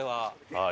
はい。